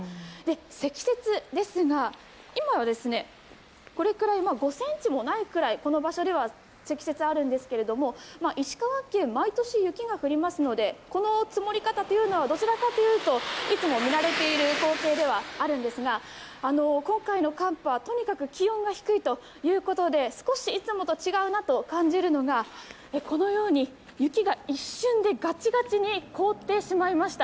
積雪ですが今は５ｃｍもないくらいこの場所では積雪があるんですが石川県は毎年雪が降りますのでこの積もり方というのはどちらかというといつも見慣れている光景ではあるんですが今回の寒波、とにかく気温が低いということで少しいつもと違うなと感じるのがこのように雪が一瞬でガチガチに凍ってしまいました。